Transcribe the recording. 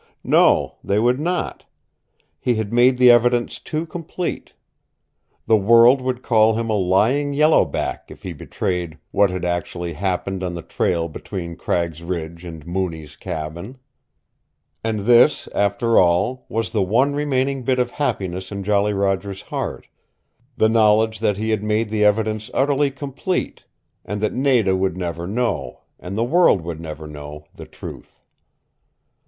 No, they would not. He had made the evidence too complete. The world would call him a lying yellow back if he betrayed what had actually happened on the trail between Cragg's Ridge and Mooney's cabin. And this, after all, was the one remaining bit of happiness in Jolly Roger's heart, the knowledge that he had made the evidence utterly complete, and that Nada would never know, and the world would never know the truth.